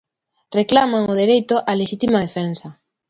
Reclaman o dereito á lexítima defensa.